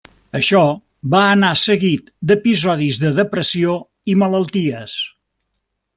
Això va anar seguit d'episodis de depressió i malalties.